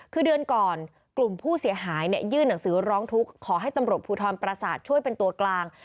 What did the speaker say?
คือเดือนก่อนกลุ่มผู้เสียหายยื่นหนังสือร้องทุกข์ขอให้ตำรวจภูทรประสาทช่วยเป็นตัวกลาง